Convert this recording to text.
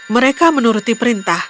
mereka menuruti perintah